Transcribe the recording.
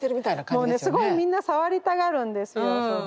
もうねすごいみんな触りたがるんですよ